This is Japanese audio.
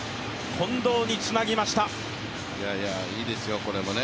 いやいや、いいですよ、これもね。